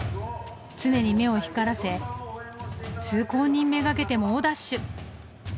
常に目を光らせ通行人目がけて猛ダッシュ。